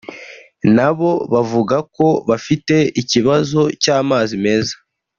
nabo bavuga ko bafite ikibazo cy’amazi meza